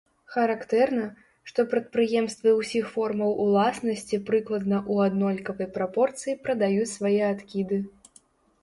Характэрна, што прадпрыемствы ўсіх формаў уласнасці прыкладна ў аднолькавай прапорцыі прадаюць свае адкіды.